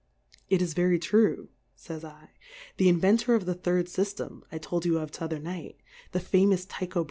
It is very true, fays /, the Inventor of the third Syftem, I told you of t'other Night, the famous Tkho B.